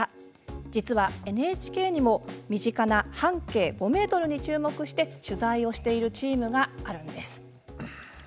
実はＮＨＫにも身近な半径５メートルに注目して取材をしているチームがあるんです。